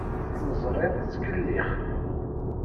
Timeẓri tettkellix.